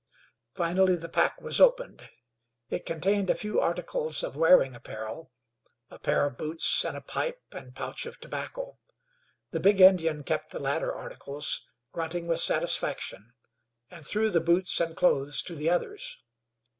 Finally the pack was opened. It contained a few articles of wearing apparel, a pair of boots, and a pipe and pouch of tobacco. The big Indian kept the latter articles, grunting with satisfaction, and threw the boots and clothes to the others.